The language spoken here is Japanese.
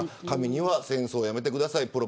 紙には戦争をやめてください。